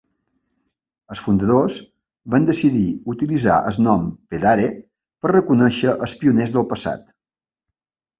Els fundadors van decidir utilitzar el nom "Pedare" per reconèixer els pioners del passat.